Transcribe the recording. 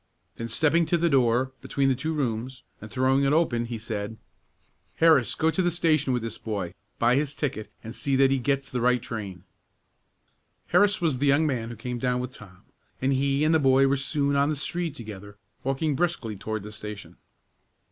Then stepping to the door between the two rooms, and throwing it open, he said, "Harris, go to the station with this boy, buy his ticket, and see that he gets the right train." Harris was the young man who came down with Tom, and he and the boy were soon on the street together, walking briskly toward the station.